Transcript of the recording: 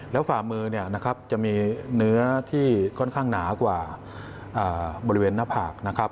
แล้วฝ่ามือจะมีเนื้อที่ค่อนข้างหนากว่าบริเวณหน้าผาก